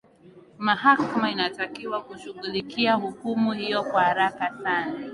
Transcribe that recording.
mahakama inatakiwa kushughulikia hukumu hiyo kwa haraka sana